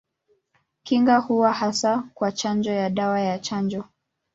Kinga huwa hasa kwa chanjo ya dawa ya chanjo.